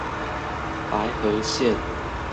白河線